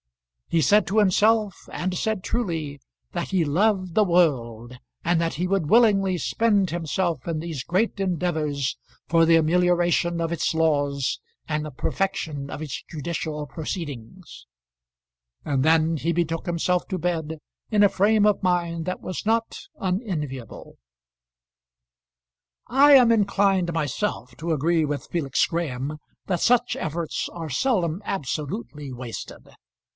He said to himself, and said truly, that he loved the world, and that he would willingly spend himself in these great endeavours for the amelioration of its laws and the perfection of its judicial proceedings. And then he betook himself to bed in a frame of mind that was not unenviable. [Illustration: Von Bauhr's Dream.] I am inclined, myself, to agree with Felix Graham that such efforts are seldom absolutely wasted.